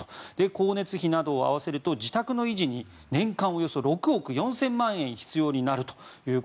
光熱費などを合わせると自宅の維持に年間およそ６億４０００万円必要になると。